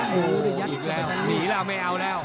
โอ้โฮหีดแล้วหีดแล้วไม่เอาแล้ว